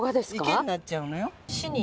池になっちゃうのよ。